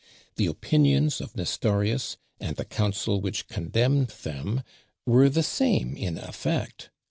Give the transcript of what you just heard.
The opinions of Nestorius, and the council which condemned them, were the same in effect.